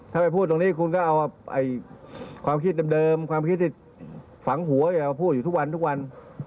ถ้าไปพูดตรงนี้คุณก็เอาความคิดเดิมความคิดที่ฝังหัวอย่ามาพูดอยู่ทุกวันทุกวัน